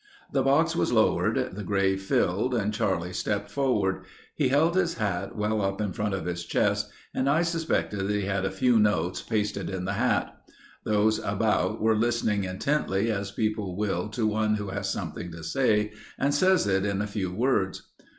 The box was lowered, the grave filled and Charlie stepped forward. He held his hat well up in front of his chest and I suspected that he had a few notes pasted in the hat. Those about were listening intently as people will to one who has something to say and says it in a few words.